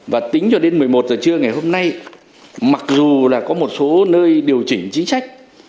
và tính cho đến một mươi một giờ trưa ngày hôm nay mặc dù là có một số nơi điều chỉnh chính sách